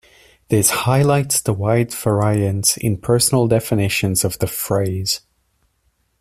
This highlights the wide variance in personal definitions of the phrase.